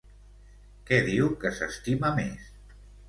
Què diu que s'estima més?